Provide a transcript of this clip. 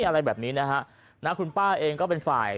อะไรแบบนี้นะฮะคุณป้าเองก็เป็นฝ่าย